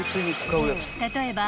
［例えば］